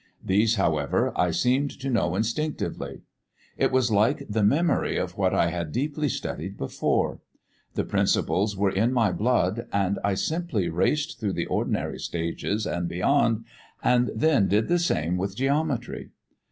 These, however, I seemed to know instinctively. It was like the memory of what I had deeply studied before; the principles were in my blood, and I simply raced through the ordinary stages, and beyond, and then did the same with geometry.